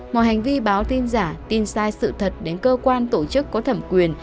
mọi hành vi báo tin giả tin sai sự thật đến cơ quan tổ chức có thẩm quyền